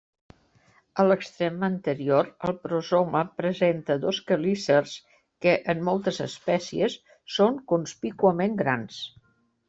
A l'extrem anterior, el prosoma presenta dos quelícers que, en moltes espècies, són conspícuament grans.